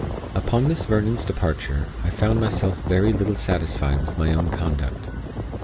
Upon Miss Vernon's departure, I found myself very little satisfied with my own conduct.